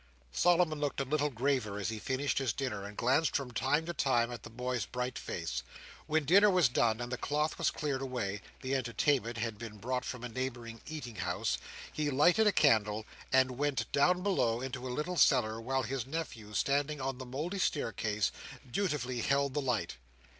Solomon looked a little graver as he finished his dinner, and glanced from time to time at the boy's bright face. When dinner was done, and the cloth was cleared away (the entertainment had been brought from a neighbouring eating house), he lighted a candle, and went down below into a little cellar, while his nephew, standing on the mouldy staircase, dutifully held the light.